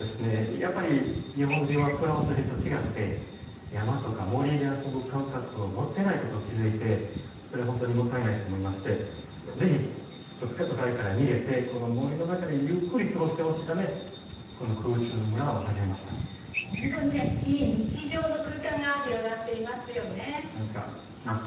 やっぱり日本人はフランス人と違って山とか森で遊ぶ感覚を持ってないことに気づいてそれは本当にもったいないと思いましてぜひ都会から逃げてこの森の中でゆっくり過ごしてほしいため本当に非日常の空間が何か来ました。